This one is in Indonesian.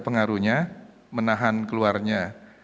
pengaruhnya menahan keluarnya